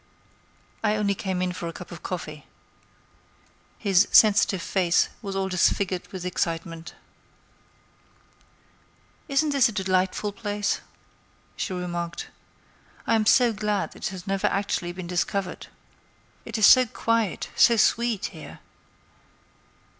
"I only came in for a cup of coffee." His sensitive face was all disfigured with excitement. "Isn't this a delightful place?" she remarked. "I am so glad it has never actually been discovered. It is so quiet, so sweet, here.